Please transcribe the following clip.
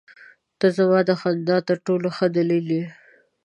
• ته زما د خندا تر ټولو ښه دلیل یې.